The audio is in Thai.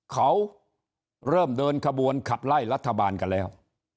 เขาเริ่มเดินขบวนขับไล่รัฐบาลกันแล้ว